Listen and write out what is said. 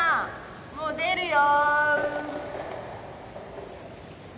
もう出るよ。